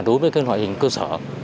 đối với cái loại hình cơ sở